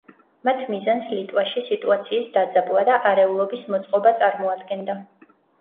მათ მიზანს ლიტვაში სიტუაციის დაძაბვა და არეულობის მოწყობა წარმოადგენდა.